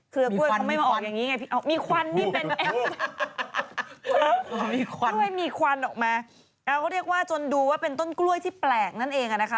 กล้วยเขาไม่มาออกอย่างนี้ไงพี่มีควันที่เป็นแอปกล้วยมีควันออกมาเราก็เรียกว่าจนดูว่าเป็นต้นกล้วยที่แปลกนั่นเองอ่ะนะคะ